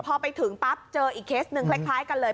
พอไปถึงปั๊บเจออีกเคสหนึ่งคล้ายกันเลย